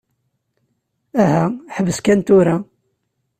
Aha, ḥbes kan tura.